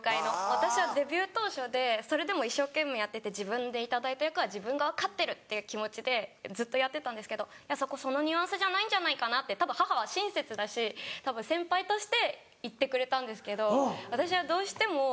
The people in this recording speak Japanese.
私はデビュー当初でそれでも一生懸命やってて自分で頂いた役は自分が分かってるっていう気持ちでずっとやってたんですけど「そこそのニュアンスじゃないんじゃないかな」って母は親切だし先輩として言ってくれたんですけど私はどうしてもやっぱり。